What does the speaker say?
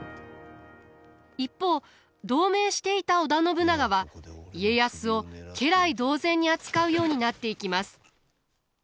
一方同盟していた織田信長は家康を家来同然に扱うようになっていきます。